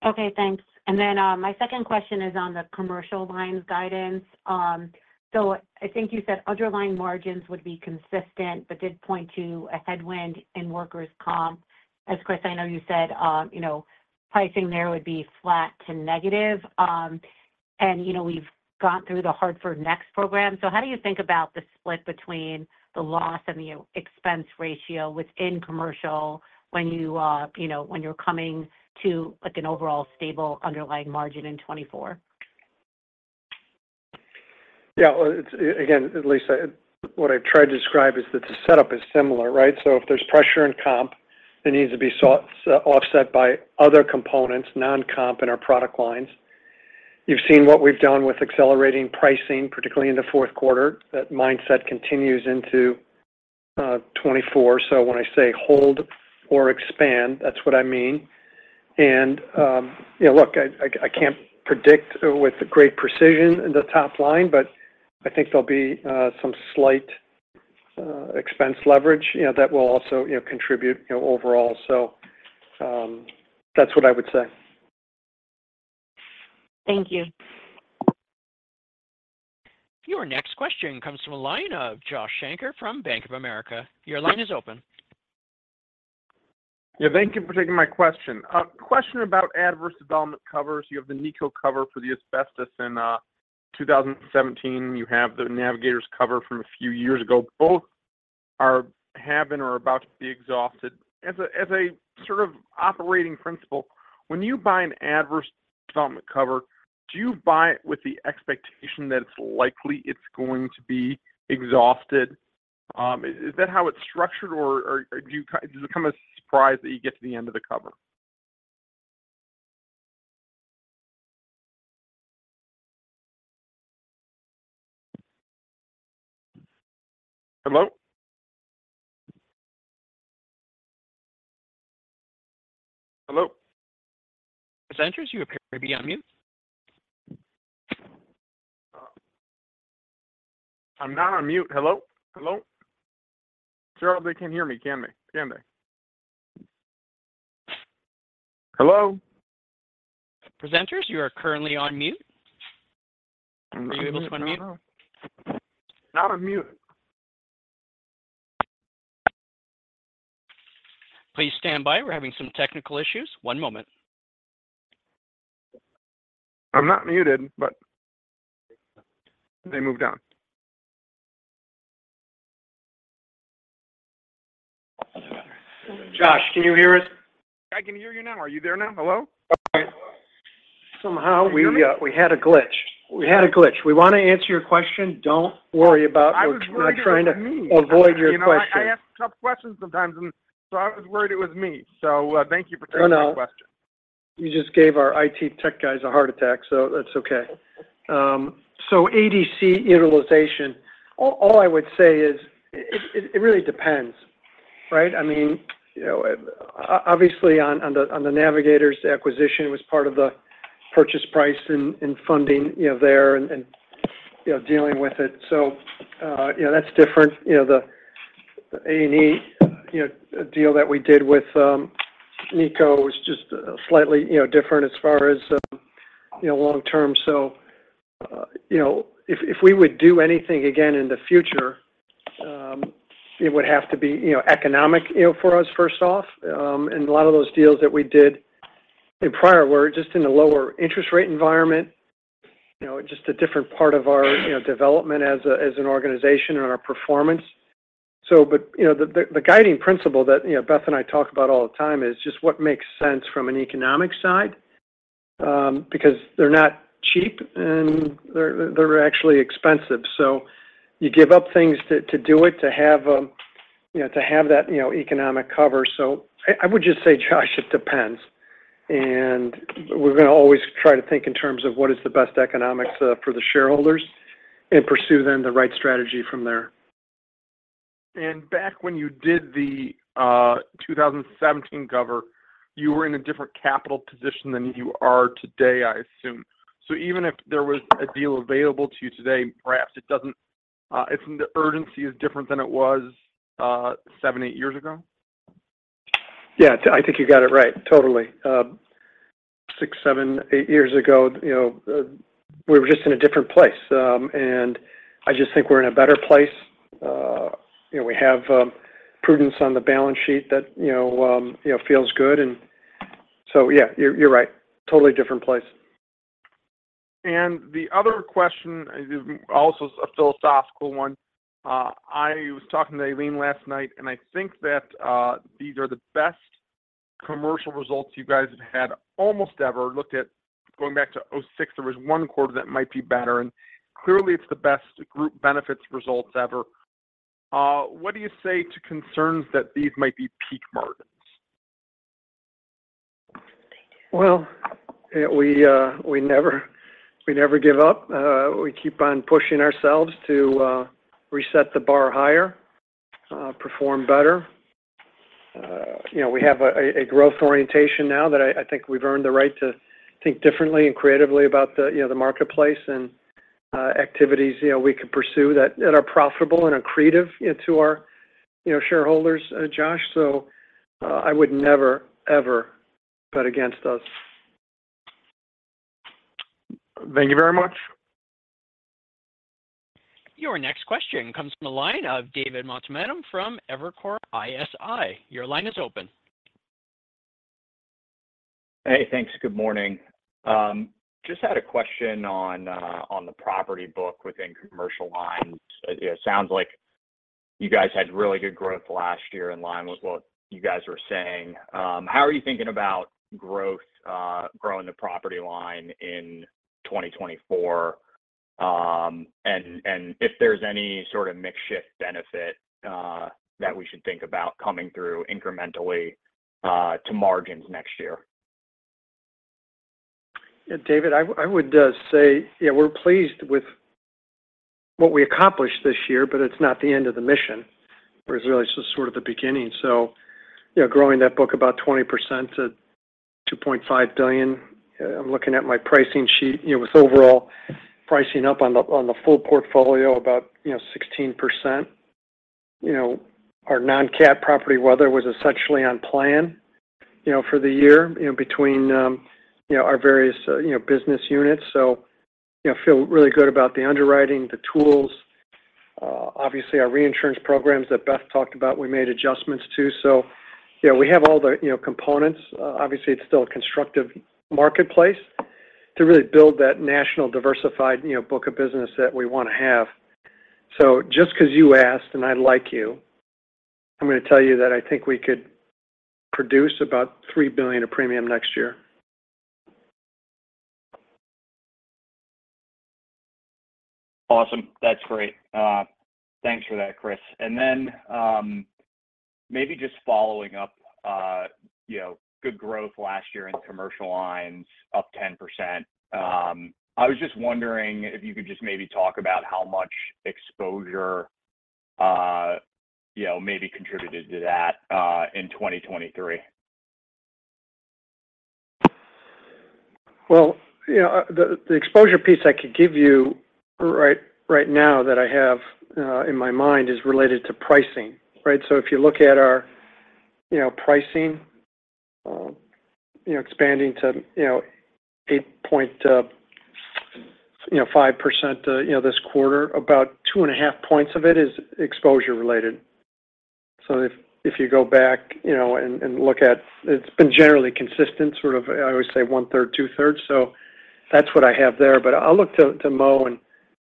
Okay, thanks. And then my second question is on the commercial lines guidance. So I think you said underlying margins would be consistent but did point to a headwind in workers' comp. As Chris, I know you said, you know, pricing there would be flat to negative. And, you know, we've gone through the HartfordNEXT program. So how do you think about the split between the loss and the expense ratio within commercial when you, you know, when you're coming to, like, an overall stable underlying margin in 2024? Yeah, well, it's, again, Elyse, what I've tried to describe is that the setup is similar, right? So if there's pressure in comp, it needs to be offset by other components, non-comp in our product lines. You've seen what we've done with accelerating pricing, particularly in the fourth quarter. That mindset continues into 2024. So when I say hold or expand, that's what I mean. And, you know, look, I can't predict with great precision in the top line, but I think there'll be some slight expense leverage, you know, that will also, you know, contribute, you know, overall. So, that's what I would say. Thank you. Your next question comes from a line of Josh Shanker from Bank of America. Your line is open. Yeah, thank you for taking my question. A question about adverse development covers. You have the NICO cover for the asbestos in 2017. You have the Navigators cover from a few years ago. Both have been or are about to be exhausted. As a sort of operating principle, when you buy an adverse development cover, do you buy it with the expectation that it's likely it's going to be exhausted? Is that how it's structured, or does it come as a surprise that you get to the end of the cover? Hello? Hello? Presenters, you appear to be on mute. I'm not on mute. Hello? Hello? Surely, they can hear me, can they? Can they? Hello? Presenters, you are currently on mute. I'm not on mute. Are you able to unmute? Not on mute. Please stand by. We're having some technical issues. One moment. I'm not muted, but they moved on. Josh, can you hear us? I can hear you now. Are you there now? Hello? Okay. Somehow we had a glitch. We had a glitch. We want to answer your question. Don't worry about- I was worried it was me. We're not trying to avoid your question. You know, I ask tough questions sometimes, and so I was worried it was me. So, thank you for taking my question. No, no. You just gave our IT tech guys a heart attack, so that's okay. So ADC utilization, all I would say is it really depends, right? I mean, you know, obviously, on the Navigators acquisition, it was part of the purchase price and funding, you know, there and, you know, dealing with it. So, you know, that's different. You know, the A&E, you know, deal that we did with NICO was just, slightly, you know, different as far as, you know, long term. So, you know, if we would do anything again in the future, it would have to be, you know, economic, you know, for us, first off. And a lot of those deals that we did in prior were just in a lower interest rate environment, you know, just a different part of our, you know, development as an organization and our performance. So but, you know, the guiding principle that, you know, Beth and I talk about all the time is just what makes sense from an economic side, because they're not cheap, and they're, they're actually expensive. So you give up things to, to do it, to have, you know, to have that, you know, economic cover. So I would just say, Josh, it depends, and we're going to always try to think in terms of what is the best economics for the shareholders and pursue then the right strategy from there. And back when you did the 2017 cover, you were in a different capital position than you are today, I assume. So even if there was a deal available to you today, perhaps it doesn't... it's the urgency is different than it was seven, eight years ago. Yeah, I think you got it right, totally. Six, seven, eight years ago, you know, we were just in a different place, and I just think we're in a better place. You know, we have prudence on the balance sheet that, you know, you know, feels good, and so, yeah, you're, you're right. Totally different place. The other question is also a philosophical one. I was talking to Eileen last night, and I think that, these are the best commercial results you guys have had almost ever. Looked at going back to 2006, there was one quarter that might be better, and clearly, it's the best group benefits results ever. What do you say to concerns that these might be peak margins? Well, we never give up. We keep on pushing ourselves to reset the bar higher, perform better. You know, we have a growth orientation now that I think we've earned the right to think differently and creatively about the marketplace and activities you know we could pursue that are profitable and accretive to our shareholders, Josh. So, I would never, ever bet against us. Thank you very much.... Your next question comes from the line of David Motemaden from Evercore ISI. Your line is open. Hey, thanks. Good morning. Just had a question on the property book within commercial lines. It sounds like you guys had really good growth last year in line with what you guys were saying. How are you thinking about growth, growing the property line in 2024? And if there's any sort of mix shift benefit that we should think about coming through incrementally to margins next year? Yeah, David, I would say, yeah, we're pleased with what we accomplished this year, but it's not the end of the mission, where it's really just sort of the beginning. So, you know, growing that book about 20% to $2.5 billion. I'm looking at my pricing sheet, you know, with overall pricing up on the full portfolio about, you know, 16%. You know, our non-cat property weather was essentially on plan, you know, for the year, you know, between our various business units. So, you know, feel really good about the underwriting, the tools, obviously, our reinsurance programs that Beth talked about, we made adjustments to. So, you know, we have all the components. Obviously, it's still a constructive marketplace to really build that national diversified, you know, book of business that we want to have. So just 'cause you asked, and I like you, I'm gonna tell you that I think we could produce about $3 billion of premium next year. Awesome. That's great. Thanks for that, Chris. And then, maybe just following up, you know, good growth last year in commercial lines, up 10%. I was just wondering if you could just maybe talk about how much exposure, you know, maybe contributed to that, in 2023. Well, you know, the exposure piece I could give you right now that I have in my mind is related to pricing, right? So if you look at our, you know, pricing expanding to 8.5% this quarter, about 2.5 points of it is exposure related. So if you go back, you know, and look at... It's been generally consistent, sort of, I would say one-third, two-thirds, so that's what I have there. But I'll look to Mo and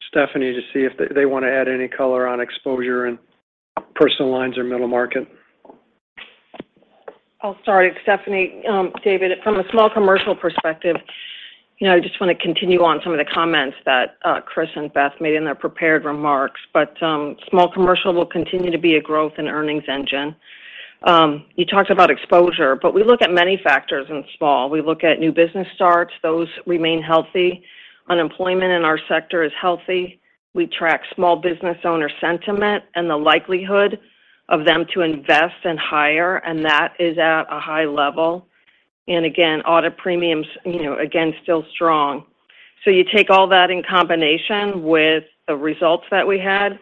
Stephanie to see if they want to add any color on exposure in personal lines or middle market. Oh, sorry, Stephanie. David, from a small commercial perspective, you know, I just want to continue on some of the comments that, Chris and Beth made in their prepared remarks. But, small commercial will continue to be a growth in earnings engine. You talked about exposure, but we look at many factors in small. We look at new business starts, those remain healthy. Unemployment in our sector is healthy. We track small business owner sentiment and the likelihood of them to invest and hire, and that is at a high level. And again, auto premiums, you know, again, still strong. So you take all that in combination with the results that we had,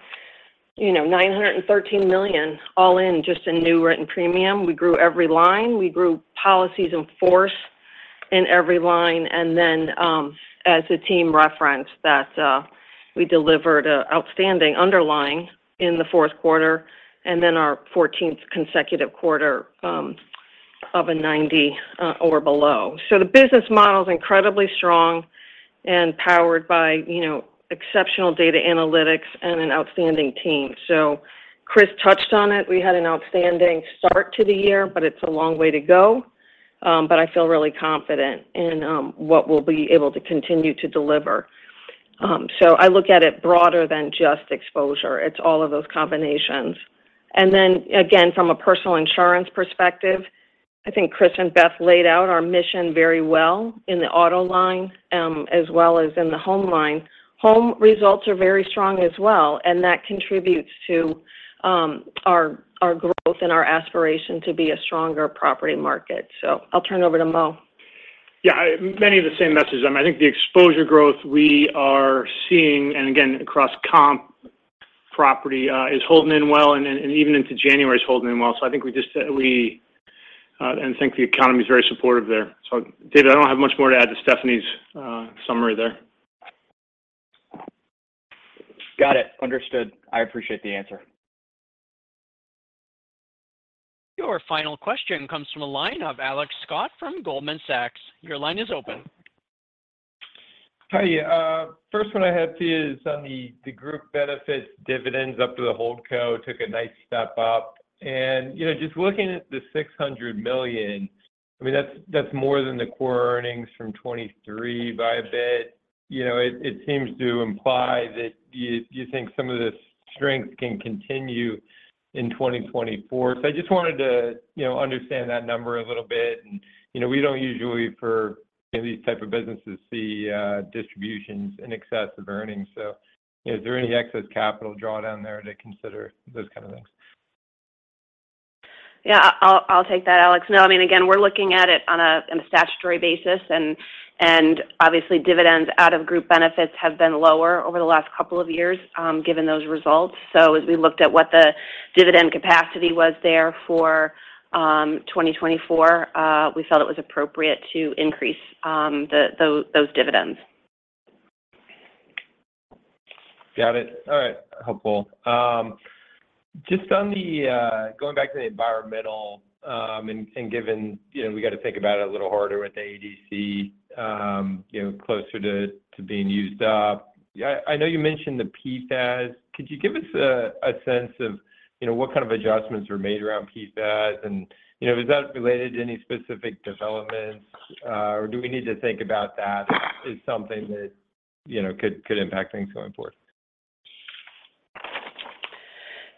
you know, $913 million all in just in new written premium. We grew every line, we grew policies in force in every line, and then, as the team referenced, that we delivered a outstanding underlying in the fourth quarter, and then our fourteenth consecutive quarter of a 90 or below. So the business model is incredibly strong and powered by, you know, exceptional data analytics and an outstanding team. So Chris touched on it. We had an outstanding start to the year, but it's a long way to go. But I feel really confident in what we'll be able to continue to deliver. So I look at it broader than just exposure. It's all of those combinations. And then again, from a personal insurance perspective, I think Chris and Beth laid out our mission very well in the auto line, as well as in the home line. Home results are very strong as well, and that contributes to our growth and our aspiration to be a stronger property market. I'll turn it over to Mo. Yeah, many of the same messages. I think the exposure growth we are seeing, and again, across comp property, is holding up well, and even into January is holding up well. So I think we just... and think the economy is very supportive there. So David, I don't have much more to add to Stephanie's summary there. Got it. Understood. I appreciate the answer. Your final question comes from a line of Alex Scott from Goldman Sachs. Your line is open. Hi. First one I have is on the group benefits dividends up to the hold co, took a nice step up. And, you know, just looking at the $600 million, I mean, that's more than the core earnings from 2023 by a bit. You know, it seems to imply that you think some of the strength can continue in 2024. So I just wanted to, you know, understand that number a little bit, and, you know, we don't usually, for these type of businesses, see distributions in excess of earnings. So, is there any excess capital drawdown there to consider those kind of things? Yeah, I'll take that, Alex. No, I mean, again, we're looking at it on a statutory basis, and obviously, dividends out of group benefits have been lower over the last couple of years, given those results. So as we looked at what the dividend capacity was there for 2024, we felt it was appropriate to increase those dividends. Got it. All right. Helpful. Just on the going back to the environmental, and given, you know, we got to think about it a little harder with the ADC, you know, closer to being used up. I know you mentioned the PFAS. Could you give us a sense of, you know, what kind of adjustments were made around PFAS? And, you know, is that related to any specific developments, or do we need to think about that as something that, you know, could impact things going forward?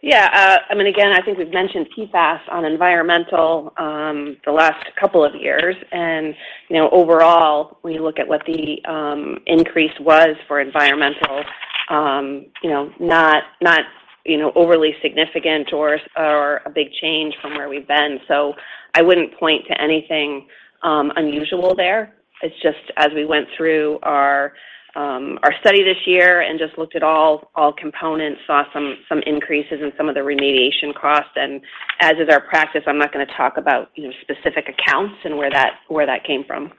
Yeah, I mean, again, I think we've mentioned PFAS on environmental, the last couple of years, and, you know, overall, when you look at what the increase was for environmental, you know, not overly significant or a big change from where we've been. So I wouldn't point to anything unusual there. It's just as we went through our study this year and just looked at all components, saw some increases in some of the remediation costs, and as is our practice, I'm not going to talk about, you know, specific accounts and where that came from.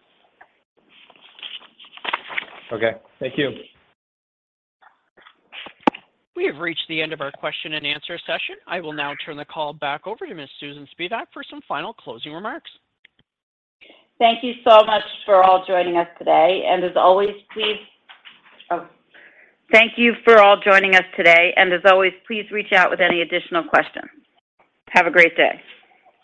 Okay. Thank you. We have reached the end of our question and answer session. I will now turn the call back over to Ms. Susan Spivak for some final closing remarks. Thank you for all joining us today, and as always, please reach out with any additional questions. Have a great day!